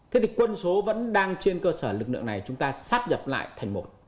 thế thì quân số vẫn đang trên cơ sở lực lượng này chúng ta sắp nhập lại thành một